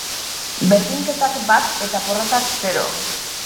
Berdinketak bat eta porrotak zero.